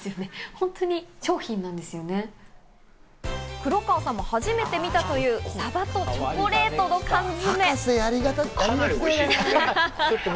黒川さんも初めて見たというサバとチョコレートの缶詰。